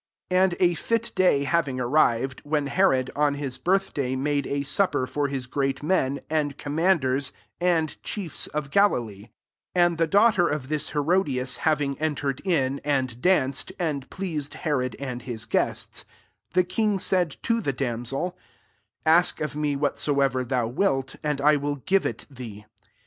MARK VL Sd 21 And a fit day having arri Tcd, when Herod, on his birth day, made a supper for his great men, and commanders, and chiefe of Galilee ; 22 and the daughter of this Herodias hav ing entered in, and danced, and pleased Herod and his guests ; the king said to the damsel, "Ask of me whatsoever thou wflt, and I will give it thee."